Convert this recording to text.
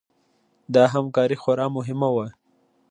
دا همکاري خورا مهمه وه.